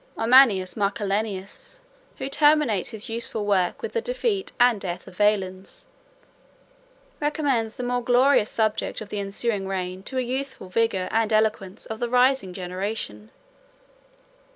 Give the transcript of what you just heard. Ammianus Marcellinus, who terminates his useful work with the defeat and death of Valens, recommends the more glorious subject of the ensuing reign to the youthful vigor and eloquence of the rising generation.